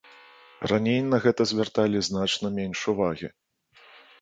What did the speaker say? Раней на гэта звярталі значна менш увагі.